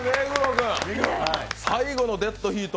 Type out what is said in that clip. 君、最後のデッドヒート